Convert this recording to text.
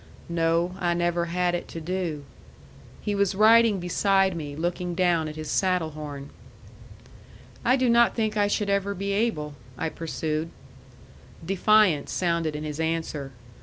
"No. I never had it to do." He was riding beside me, looking down at his saddle horn. "I do not think I should ever be able," I pursued. Defiance sounded in his answer.